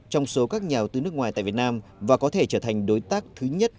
trong số các nhà đầu tư nước ngoài tại việt nam và có thể trở thành đối tác thứ nhất